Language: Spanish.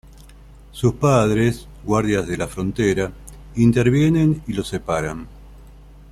Sus padres, guardias de la frontera, intervienen y los separan.